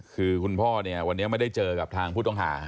คือคุณพ่อเนี่ยวันนี้ไม่ได้เจอกับทางผู้ต้องหา